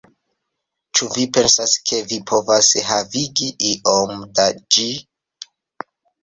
Ĉu vi pensas, ke vi povas havigi iom da ĝi?